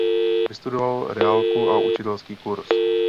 Vystudoval reálku a učitelský kurz.